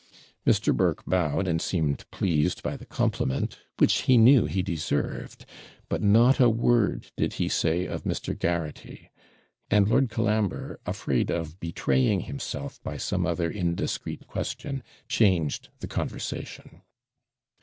Mr. Burke bowed, and seemed pleased by the compliment, which he knew he deserved but not a word did he say of Mr. Garraghty; and Lord Colambre, afraid of betraying himself by some other indiscreet question, changed the conversation.